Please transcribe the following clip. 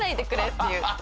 っていう。